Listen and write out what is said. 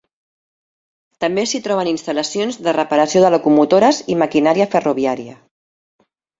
També s'hi troben instal·lacions de reparació de locomotores i maquinària ferroviària.